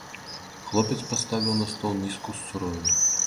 Хлопец паставіў на стол міску з цурою.